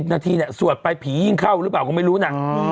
๑๐นาทีสวดไปผียิงเข้าหรือเปล่าก็ไม่รู้น่ะ